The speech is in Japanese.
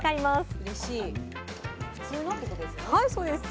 普通のってことですよね？